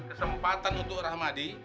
kesempatan untuk rahmadi